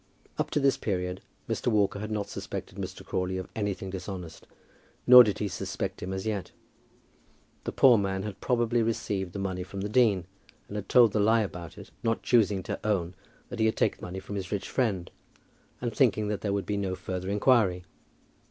Up to this period Mr. Walker had not suspected Mr. Crawley of anything dishonest, nor did he suspect him as yet. The poor man had probably received the money from the dean, and had told the lie about it, not choosing to own that he had taken money from his rich friend, and thinking that there would be no further inquiry.